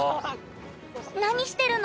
何してるの？